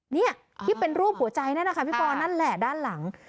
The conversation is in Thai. นี่เบนรูปหัวใจน่ะนะคะพี่ปอร์นั่นแหละด้านหลัง